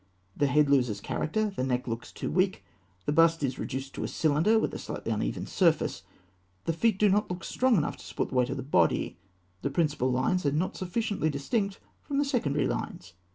The head loses character; the neck looks too weak; the bust is reduced to a cylinder with a slightly uneven surface; the feet do not look strong enough to support the weight of the body; the principal lines are not sufficiently distinct from the secondary lines.